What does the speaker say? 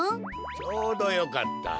ちょうどよかった。